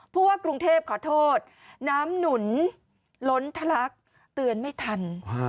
ว่ากรุงเทพขอโทษน้ำหนุนล้นทะลักเตือนไม่ทัน